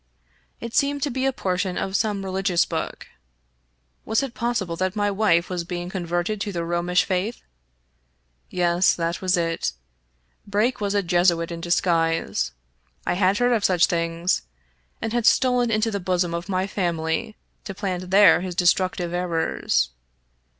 It seemed to be a portion of some religious' book. Was it possible that my wife was being converted to the Romish faith? Yes, that was it. Brake was a Jesuit in disguise — I had heard of such things — and had stolen into the bosom of my family to plant there his destructive errors.